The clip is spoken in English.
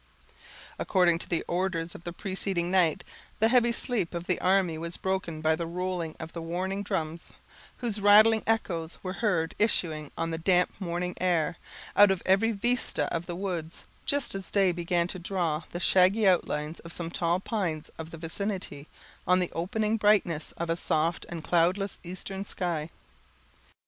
According to the orders of the preceding night, the heavy sleep of the army was broken by the rolling of the warning drums, whose rattling echoes were heard issuing, on the damp morning air, out of every vista of the woods, just as day began to draw the shaggy outlines of some tall pines of the vicinity, on the opening brightness of a soft and cloudless eastern sky.